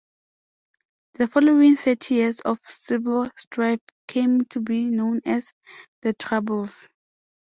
The following thirty years of civil strife came to be known as "the Troubles".